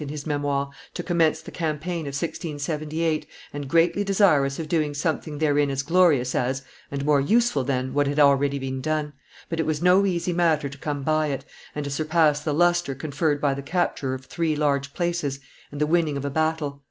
in his Memoires, "to commence the campaign of 1678, and greatly desirous of doing something therein as glorious as, and more useful than, what had already been done; but it was no easy matter to come by it, and to surpass the lustre conferred by the capture of three large places and the winning of a battle.